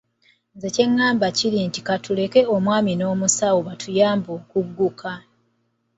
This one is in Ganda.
Nze kye ngamba kiri nti ka tuleke omwami n'omusawo batuyambe okugguka.